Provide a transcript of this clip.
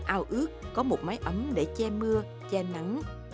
ao ước có một máy ấm để che mưa che nắng